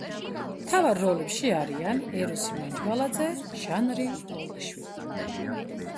მთავარ როლებში არიან: ეროსი მანჯგალაძე, ჟანრი ლოლაშვილი.